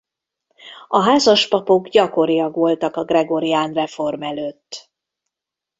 A házas papok gyakoriak voltak a gregorián reform előtt.